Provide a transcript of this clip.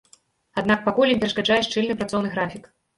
Аднак пакуль ім перашкаджае шчыльны працоўны графік.